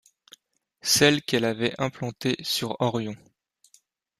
celle qu'elle avait implantée sur Orion.